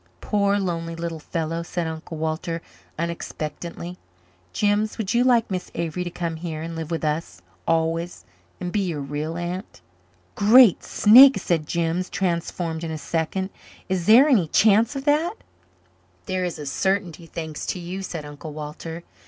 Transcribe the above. "Poor, lonely little fellow," said Uncle Walter unexpectedly. "Jims, would you like Miss Avery to come here and live with us always and be your real aunt?" "Great snakes!" said Jims, transformed in a second. "Is there any chance of that?" "There is a certainty, thanks to you," said Uncle Walter.